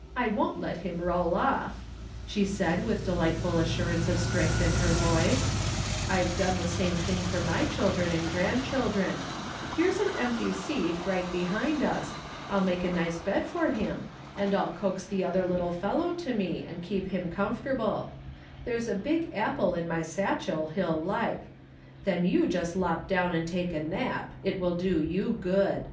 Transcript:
" I won't let him roll off," she said, with delightful assurance of strength in her voice ;" I've done the same thing for my children and grandchildren ; here's an empty seat right behind us, I'll make a nice bed for him, and I'll coax the other little fellow to me, and keep him comfortable ; there's a big apple in my satchell he'll like : then you just lop down and take a nap ; it will do you good."